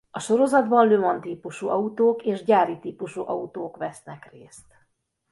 A sorozatban Le Mans típusú autók és gyári típusú autók vesznek részt.